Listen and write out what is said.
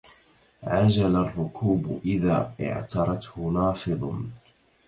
عجل الركوب إذا اعترته نافض